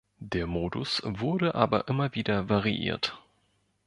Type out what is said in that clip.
Der Modus wurde aber immer wieder variiert.